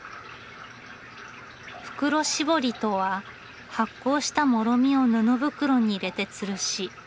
袋しぼりとは発酵したモロミを布袋に入れてつるし